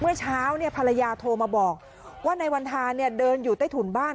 เมื่อเช้าเนี่ยภรรยาโทรมาบอกว่าในวันทาเนี่ยเดินอยู่ใต้ถุนบ้าน